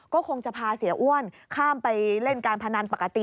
ก็คงจะพาเสียอ้วนข้ามไปเล่นการพนันปกติ